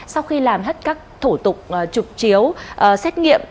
sau khi làm hết các thủ tục trục chiếu xét nghiệm